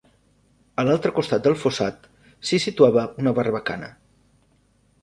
A l'altre costat del fossat s'hi situava una barbacana.